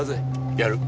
やる。